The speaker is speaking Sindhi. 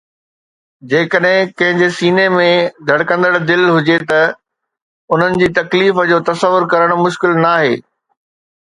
جيڪڏهن ڪنهن جي سيني ۾ ڌڙڪندڙ دل هجي ته انهن جي تڪليف جو تصور ڪرڻ مشڪل ناهي.